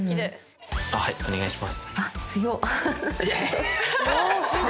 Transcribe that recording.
はいお願いします。